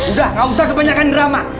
udah gak usah kebanyakan drama